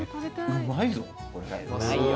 うまいよ。